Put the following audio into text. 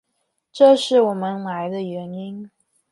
这是我们来的原因。